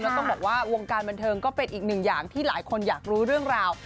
ต้องบอกว่าวงการบันเทิงก็เป็นอีกหนึ่งอย่างที่หลายคนอยากรู้เรื่องราว